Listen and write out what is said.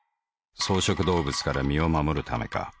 草食動物から身を護るためか。